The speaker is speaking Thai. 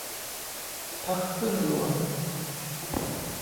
พรรคผึ้งหลวง